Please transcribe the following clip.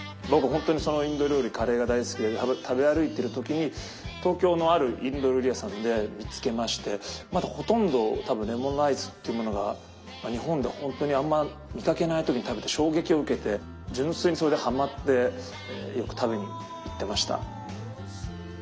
本当にそのインド料理カレーが大好きで食べ歩いている時に東京のあるインド料理屋さんで見つけましてまだほとんど多分レモンライスっていうものが日本で本当にあんま見かけない時に食べて衝撃を受けて純粋にそれではまってよく食べに行ってました。